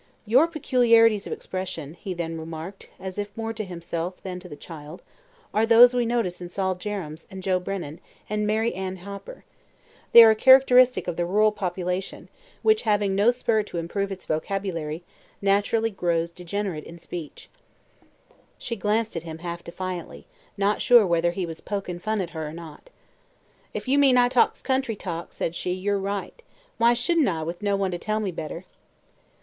"Your peculiarities of expression," he then remarked, as if more to himself than to the child, "are those we notice in Sol Jerrems and Joe Brennan and Mary Ann Hopper. They are characteristic, of the rural population, which, having no spur to improve its vocabulary, naturally grows degenerate in speech." She glanced at him half defiantly, not sure whether he was "pokin' fun at her" or not. "If you mean I talks country talk," said she, "you're right. Why shouldn't I, with no one to tell me better?"